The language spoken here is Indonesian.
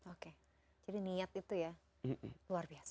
oke jadi niat itu ya luar biasa